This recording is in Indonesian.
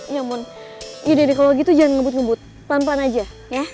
ya mon yaudah deh kalau gitu jangan ngebut ngebut pelan pelan aja ya